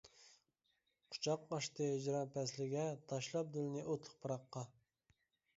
قۇچاق ئاچتى ھىجران پەسلىگە، تاشلاپ دىلنى ئوتلۇق پىراققا.